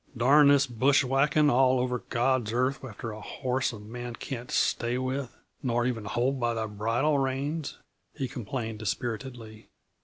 "Darn this bushwhacking all over God's earth after a horse a man can't stay with, nor even hold by the bridle reins," he complained dispiritedly.